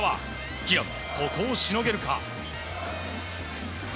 平野、ここをしのげるか。